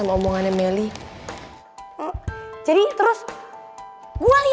duh kok gue malah jadi mikir macem macem gini ya